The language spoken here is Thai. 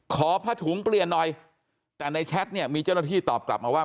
ขอผ้าถุงเปลี่ยนหน่อยแต่ในแชทเนี่ยมีเจ้าหน้าที่ตอบกลับมาว่า